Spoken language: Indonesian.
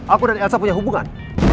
aku dan elsa punya hubungan